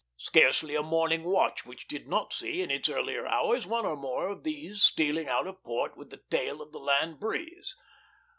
Scarcely a morning watch which did not see in its earlier hours one or more of these stealing out of port with the tail of the land breeze.